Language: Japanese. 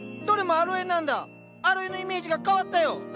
アロエのイメージが変わったよ！